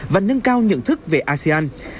và nâng cao nhận thức về asean